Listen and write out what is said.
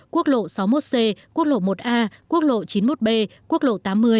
quốc lộ sáu mươi một c quốc lộ một a quốc lộ chín mươi một b quốc lộ tám mươi